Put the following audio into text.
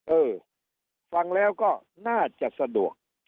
เออฟังแล้วก็น่าจะสะดวก